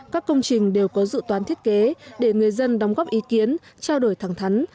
các công trình đều có dự toán thiết kế để người dân đóng góp ý kiến trao đổi thẳng thắn